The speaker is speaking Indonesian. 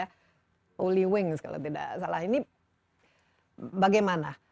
holly wings kalau tidak salah ini bagaimana